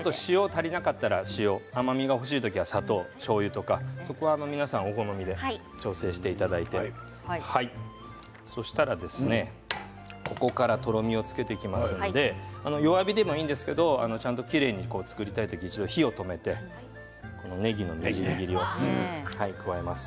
甘みが欲しい時は砂糖塩だったり、しょうゆだったりお好みで調整していただいてそうしたらここからとろみをつけていきますので弱火でもいいんですけれどもきれいに作りたい時は一度火を止めてねぎのみじん切りを加えます。